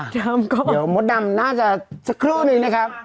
เดี๋ยวมดดำน่าจะสักครู่นึงนะครับ